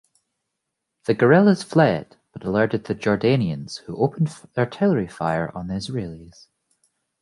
The guerrillas fled, but alerted the Jordanians who opened artillery fire on the Israelis.